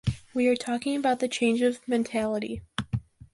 We are talking about the change of mentality